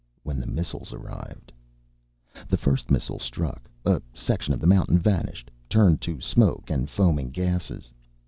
When the missiles arrived The first missile struck. A section of the mountain vanished, turned to smoke and foaming gasses.